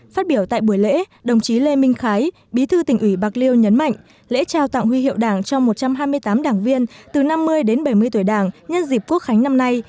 phát biểu tại buổi lễ đồng chí lê minh khái bí thư tỉnh ủy bạc liêu nhấn mạnh lễ trao tặng huy hiệu đảng cho một trăm hai mươi tám đảng viên từ năm mươi đến bảy mươi tuổi đảng nhân dịp quốc khánh năm nay